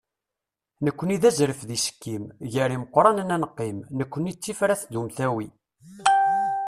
nekkni d azref d isekkim, gar imeqranen ad neqqim, nekkni d tifrat d umtawi.